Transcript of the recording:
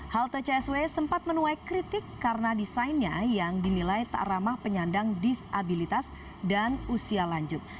halte csw sempat menuai kritik karena desainnya yang dinilai tak ramah penyandang disabilitas dan usia lanjut